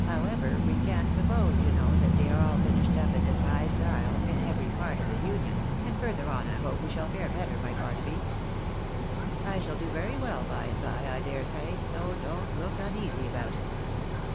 However, we can't suppose, you know, that they are all finished up in this high style, in every part of the Union, and further on I hope we shall fare KOT A SUFFICIENT DEPENDENCE. 83 better, my Barnaby. I shall do very well, by and by, I dare say, so don't look uneasy about it."